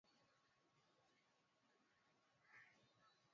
Japo baadhi ya mambo yakabaki kuwa sio ya muungano